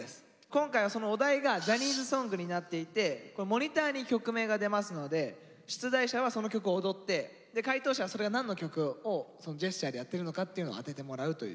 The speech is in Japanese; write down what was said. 今回はそのお題がジャニーズソングになっていてモニターに曲名が出ますので出題者はその曲を踊って解答者はそれが何の曲をジェスチャーでやっているのかっていうのを当ててもらうという。